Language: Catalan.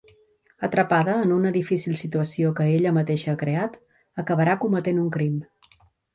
Atrapada en una difícil situació que ella mateixa ha creat, acabarà cometent un crim.